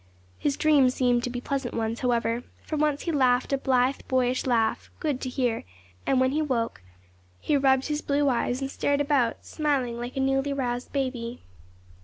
His dreams seemed to be pleasant ones, however; for once he laughed a blithe, boyish laugh, good to hear; and when he woke, he rubbed his blue eyes and stared about, smiling like a newly roused baby.